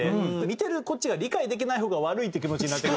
見てるこっちが理解できない方が悪いって気持ちになって。